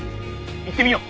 行ってみよう。